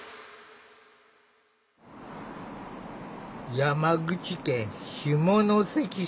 山口県下関市。